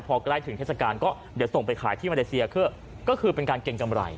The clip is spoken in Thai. พอใกล้ถึงเทศกาลก็เดี๋ยวส่งไปขายที่มาเลเซียก็คือเป็นการเกรงกำไร